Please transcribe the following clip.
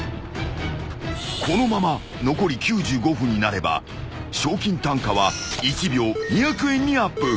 ［このまま残り９５分になれば賞金単価は１秒２００円にアップ］